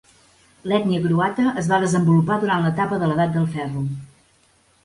L'ètnia croata es va desenvolupar durant l'etapa de l'Edat del Ferro.